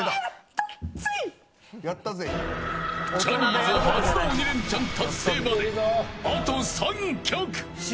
ジャニーズ初の鬼レンチャン達成まであと３曲。